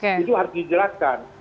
itu harus dijelaskan